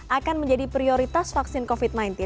akan menjadi prioritas vaksin covid sembilan belas